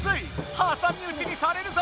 はさみうちにされるぞ！